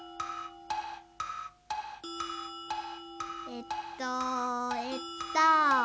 えっとえっと。